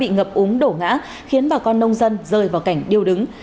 ngập úng đổ ngã khiến bà con nông dân rơi vào cảnh điêu đứng